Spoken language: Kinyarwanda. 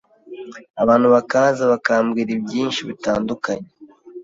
abantu bakaza bakambwira byinshi bitandukanye